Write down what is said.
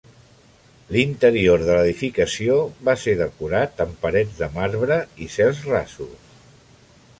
L'interior de l'edificació va ser decorat amb parets de marbre i cels rasos.